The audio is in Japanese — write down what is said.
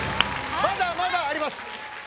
まだまだあります。